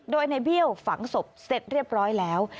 โดยในเบี้ยวฝังศพเสร็จเรียบร้อยแล้ว